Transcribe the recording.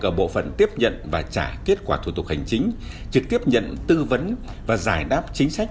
ở bộ phận tiếp nhận và trả kết quả thủ tục hành chính trực tiếp nhận tư vấn và giải đáp chính sách